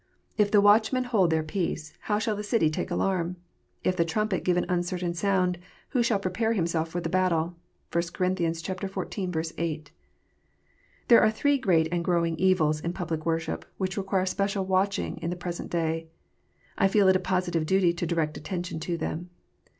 If the watchmen hold their peace, how shall the city take alarm? "If the trumpet give an uncertain sound, who shall prepare himself for the battler 5 (1 Cor. xiv. 8.) There are three great and growing evils in public worship, which require special watching in the present day. I feel it a positive duty to direct attention to them.